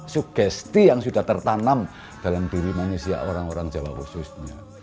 sugesti yang sudah tertanam dalam diri manusia orang orang jawa khususnya